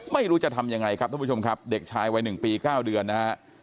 ไม่รู้จะทำยังไงครับท่านผู้ชมครับเด็กชายวัย๑ปี๙เดือนนะฮะ